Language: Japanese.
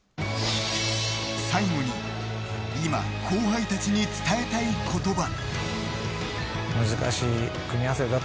最後に今後輩たちに伝えたい言葉。